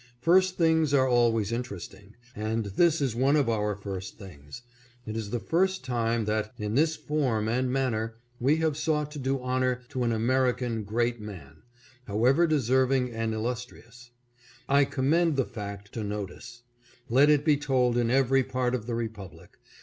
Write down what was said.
First things are always interest ing, and this is one of our first things. It is the first time that, in this form and manner, we have sought to do ABRAHAM yNCOLN — THE MARTYR. 587 honor to an American great man, however deserving and illustrious. I commend the fact to notice. Let it be told in every part of the Republic.